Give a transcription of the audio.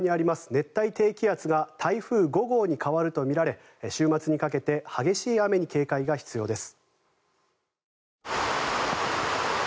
熱帯低気圧が台風５号に変わるとみられ週末にかけて激しい雨に警戒が必要です。